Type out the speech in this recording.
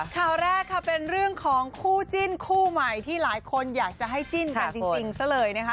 ข่าวแรกค่ะเป็นเรื่องของคู่จิ้นคู่ใหม่ที่หลายคนอยากจะให้จิ้นกันจริงซะเลยนะคะ